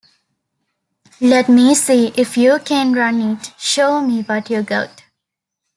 'Let me see if you can run it; show me what you got.